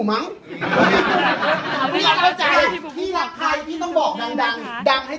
รักรักทุ่มหา